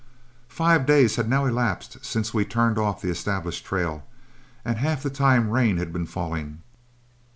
Five days had now elapsed since we turned off the established trail, and half the time rain had been falling.